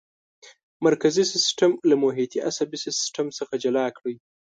مرکزي سیستم له محیطي عصبي سیستم څخه جلا کړئ.